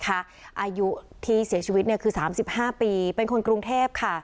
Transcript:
อายุที่เสียชีวิตคือ๓๕ปีเป็นคนกรุงเทพค่ะ